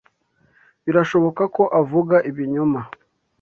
Birashoboka ko avuga ibinyoma.